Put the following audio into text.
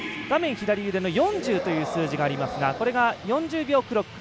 左上の４０という数字がありますがこれが、４０秒クロック。